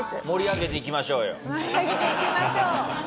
盛り上げていきましょう。